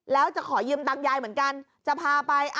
แล้วจะขอยืมตังค์ยายเหมือนกันจะพาไป